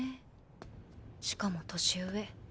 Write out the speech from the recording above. しかも年上。